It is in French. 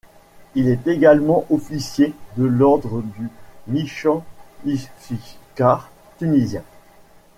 Il est également Officier de l'ordre du Nichan-Iftikhar tunisien.